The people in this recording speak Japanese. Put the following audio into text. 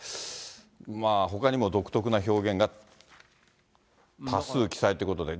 ほかにも独特な表現が多数記載ってことで。